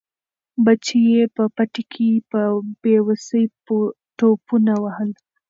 بچي یې په پټي کې په بې وسۍ ټوپونه وهل.